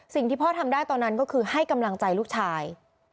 สิ่งที่พ่อทำได้ตอนนั้นก็คือให้กำลังใจลูกชาย